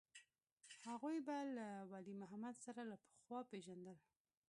هغوى به له ولي محمد سره له پخوا پېژندل.